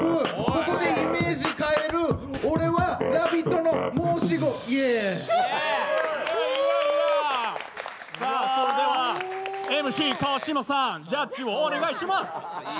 ここでイメージ変える、俺はラヴィット！の申し子、イエーではＭＣ・川島さん、ジャッジをお願いします。